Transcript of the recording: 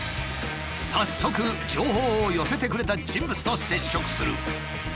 早速情報を寄せてくれた人物と接触する。